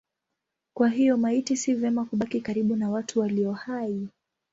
Kwa hiyo maiti si vema kubaki karibu na watu walio hai.